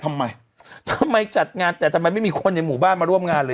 ทำไมทำไมจัดงานแต่ทำไมไม่มีคนในหมู่บ้านมาร่วมงานเลย